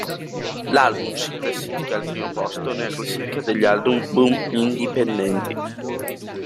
L'album si classifica al primo posto nella classifica degli album indipendenti.